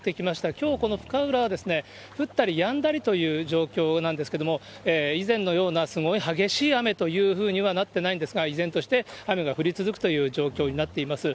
きょうこの深浦は、降ったりやんだりという状況なんですけれども、以前のようなすごい激しい雨というふうにはなってないんですが、依然として雨が降り続くという状況になっています。